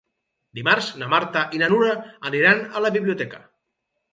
Dimarts na Marta i na Nura aniran a la biblioteca.